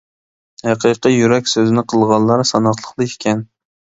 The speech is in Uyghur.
ھەقىقىي يۈرەك سۆزىنى قىلغانلار ساناقلىقلا ئىكەن.